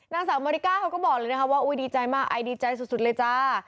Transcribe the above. นางสาวเมริกาเขาก็บอกเลยนะคะว่าอุ้ยดีใจมากไอดีใจสุดเลยจ้า